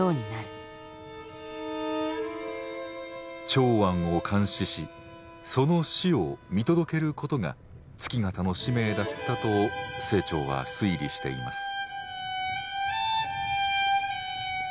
長庵を監視しその死を見届けることが月形の使命だったと清張は推理しています。